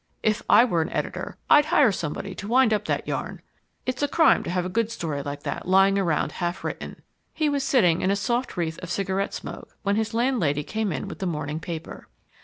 If I were an editor I'd hire someone to wind up that yarn. It's a crime to have a good story like that lying around half written." He was sitting in a soft wreath of cigarette smoke when his landlady came in with the morning paper.